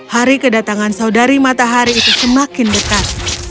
hari kedatangan saudari matahari itu semakin dekat